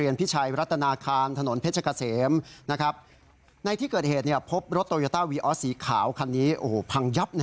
นี่ครับที่เกิดเหตุอยู่บริเวณโค้ง